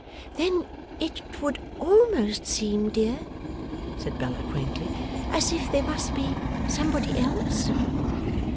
'Then it would almost seem, dear,' said Bella quaintly, 'as if there must be somebody else?